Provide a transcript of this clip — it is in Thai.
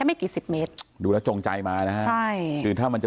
ตอนนั้นก็มีลูกชายไว้๒๐วันที่แม่ยายอุ้มอยู่